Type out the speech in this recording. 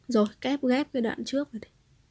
rồi kép ghép cái đoạn trước